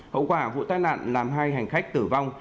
hậu quả vụ tai nạn làm hai hành khách tử vong